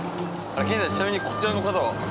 健二さんちなみにこちらの方は？